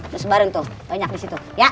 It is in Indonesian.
nih sebarin tuh banyak disitu ya